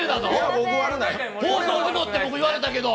放送事故って言われたけど！